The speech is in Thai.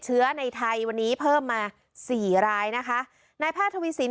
เชื้อในไทยวันนี้เพิ่มมาสี่รายนะคะนายแพทย์ทวีสิน